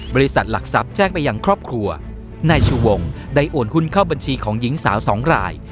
บริษัทหลักทรัพย์แจ้งไปยังครอบครัวนายชูวงได้โอนหุ้นเข้าบัญชีของหญิงสาวสองราย